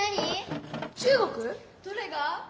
どれが？